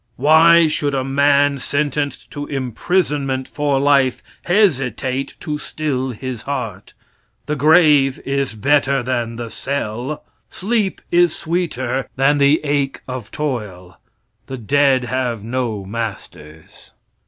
Why should a man sentenced to imprisonment for life hesitate to still his heart? The grave is better than the cell. Sleep is sweeter than the ache of toil. The dead have no masters.